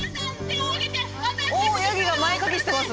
ヤギが前かきしてます。